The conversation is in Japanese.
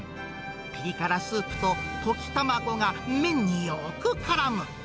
ピリ辛スープと溶き卵が麺によくからむ。